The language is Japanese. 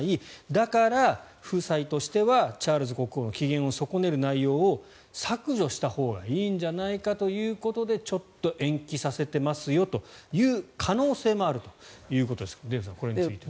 だから、夫妻としてはチャールズ国王の機嫌を損ねる内容を削除したほうがいいんじゃないかということでちょっと延期させてますよという可能性もあるということですがデーブさん、これについて。